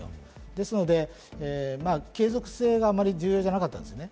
なので、継続性があまり重要じゃなかったんですね。